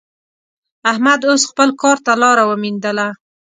احمد اوس خپل کار ته لاره ومېندله.